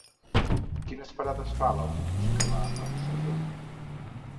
Quines parades fa l'autobús que va a Rosselló?